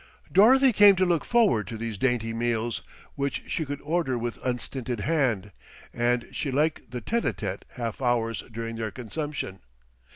Dorothy came to look forward to these dainty meals, which she could order with unstinted hand, and she liked the tête à tête half hours during their consumption.